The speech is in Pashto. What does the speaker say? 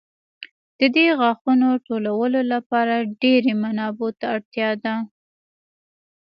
د دې غاښونو ټولولو لپاره ډېرو منابعو ته اړتیا ده.